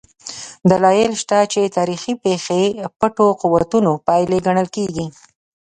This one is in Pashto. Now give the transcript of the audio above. دلایل شته چې تاریخي پېښې پټو قوتونو پایلې ګڼل کېږي.